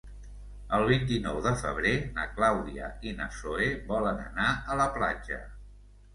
El vint-i-nou de febrer na Clàudia i na Zoè volen anar a la platja.